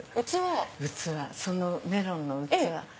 そのメロンの器。